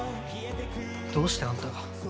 どうしてあんたが？